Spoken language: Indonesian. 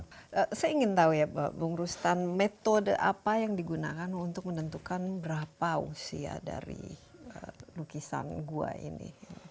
saya ingin tahu ya bung rustan metode apa yang digunakan untuk menentukan berapa usia dari lukisan gua ini